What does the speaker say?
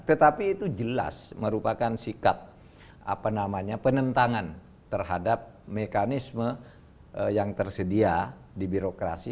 tetapi itu jelas merupakan sikap penentangan terhadap mekanisme yang tersedia di birokrasi